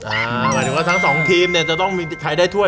หมายถึงว่าทั้งสองทีมเนี่ยจะต้องมีใครได้ถ้วย